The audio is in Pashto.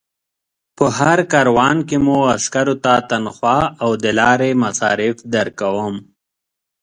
په هر کاروان کې مو عسکرو ته تنخوا او د لارې مصارف درکوم.